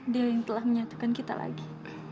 dia yang telah menyatukan kita lagi